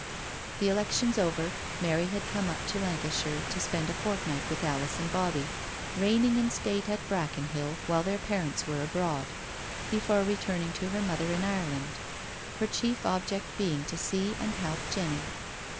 The elections over, Mary had come up to Lancashire to spend a fortnight with Alice and Bobbie — reigning in state at Brackenhill while their parents were abroad — ^before returning to her mother in Ireland. Her chief object being to see and help Jenny.